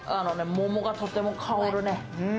桃がとても香るね。